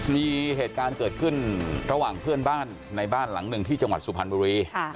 มีเหตุการณ์เกิดขึ้นระหว่างเพื่อนบ้านในบ้านหลังหนึ่งที่จังหวัดสุพรรณบุรี